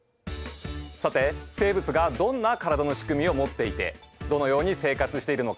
さて生物がどんな体の仕組みを持っていてどのように生活しているのか。